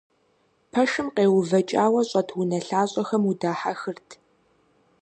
Пэшым къегъэувэкӀауэ щӀэт унэлъащӀэхэм удахьэхырт.